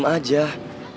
gue udah berhenti